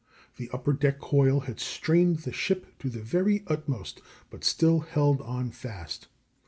The upper deck coil had strained the ship to the very utmost, but still held on fast.